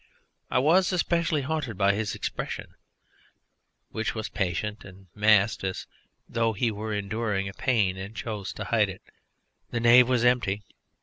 I was especially haunted by his expression, which was patient and masqued as though he were enduring a pain and chose to hide it. The nave was empty.